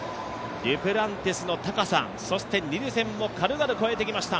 デュプランティスの高さ、そしてニルセンも軽々超えてきました。